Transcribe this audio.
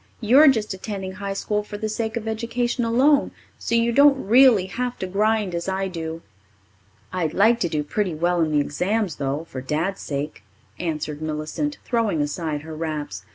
You're just attending high school for the sake of education alone, so you don't really have to grind as I do." "I'd like to do pretty well in the exams, though, for Dad's sake," answered Millicent, throwing aside her wraps.